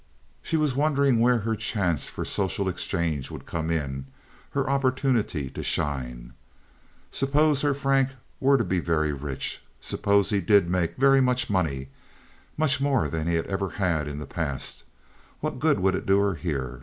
She was wondering where her chance for social exchange would come in—her opportunity to shine. Suppose her Frank were to be very rich; suppose he did make very much money—much more than he had ever had even in the past—what good would it do her here?